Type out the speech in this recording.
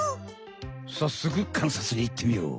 さっそくかんさつにいってみよう！